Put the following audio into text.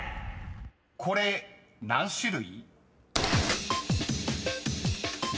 ［これ何種類？］